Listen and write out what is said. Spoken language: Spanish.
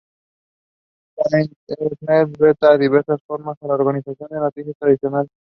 La Internet reta de diversas formas a las organizaciones de noticias tradicionales.